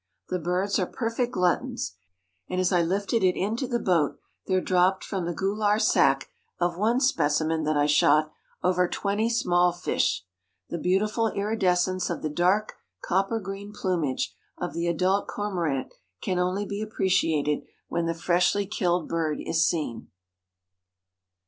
The birds are perfect gluttons, and as I lifted it into the boat there dropped from the gular sack of one specimen that I shot, over twenty small fish. The beautiful iridescence of the dark copper green plumage of the adult Cormorant can only be appreciated when the freshly killed bird is seen."